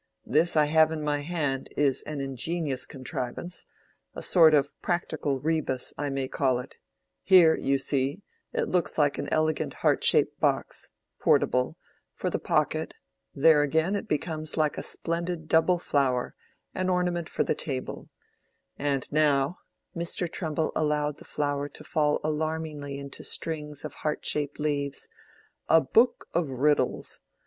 This I have in my hand is an ingenious contrivance—a sort of practical rebus, I may call it: here, you see, it looks like an elegant heart shaped box, portable—for the pocket; there, again, it becomes like a splendid double flower—an ornament for the table; and now"—Mr. Trumbull allowed the flower to fall alarmingly into strings of heart shaped leaves—"a book of riddles!